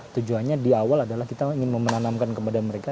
tujuannya di awal adalah kita ingin memenamkan kepada mereka